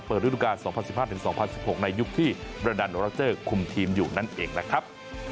เปิดรุ่นการ๒๐๑๕๒๐๑๖ในยุคที่บรรดาโนราเจอร์คุมทีมอยู่นั่นเองนะครับ